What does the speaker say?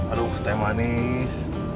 aduh teh manis